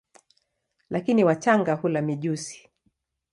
Lakini wachanga hula mijusi.